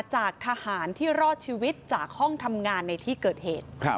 จากทหารที่รอดชีวิตจากห้องทำงานในที่เกิดเหตุ